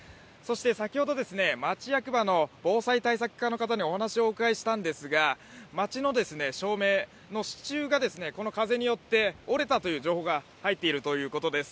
先ほど、町役場の防災対策課の方にお話をお伺いしたんですが、町の照明の支柱がこの風によって折れたという情報が入っているということです。